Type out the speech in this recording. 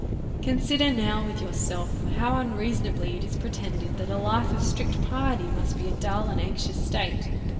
Consider now with yourself how unreasonable it is pretended, that a life of strict piety must be a dull and anxious state.